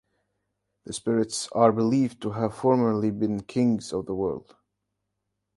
The spirits are believed to have formerly been kings of the world.